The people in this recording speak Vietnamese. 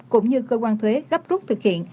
cũng như cơ quan thuế gấp rút thực hiện